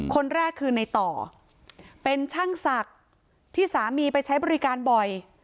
คนแรกคือในต่อเป็นช่างศักดิ์ที่สามีไปใช้บริการบ่อย